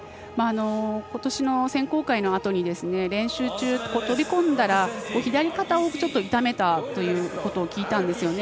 ことしの選考会のあとに練習中、飛び込んだら左肩をいためたということを聞いたんですよね。